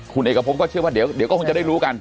คุณเอกพบก็เชื่อว่าเดี๋ยวก็คงจะได้รู้กัน